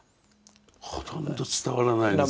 ほとんど伝わらないですね。